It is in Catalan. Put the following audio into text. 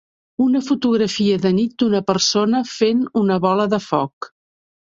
Una fotografia de nit d'una persona fent una bola de foc.